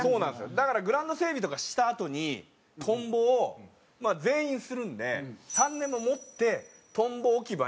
だからグラウンド整備とかしたあとにトンボを全員するんで３年の持ってトンボ置き場に持っていくんですよ。